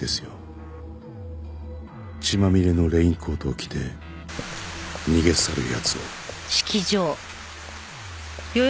血まみれのレインコートを着て逃げ去る奴を。